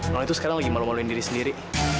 kalau itu sekarang lagi malu maluin diri sendiri